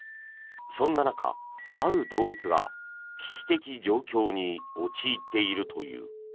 そんな中、ある動物が危機的状況に陥っているという。